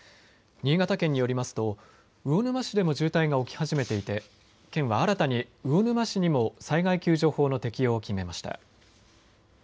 新潟県によりますと魚沼市でも渋滞が起き始めていて県は新たに魚沼市にも災害救助法の適用を決めました。